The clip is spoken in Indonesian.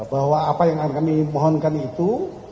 bahwa apa yang kami mohonkan itu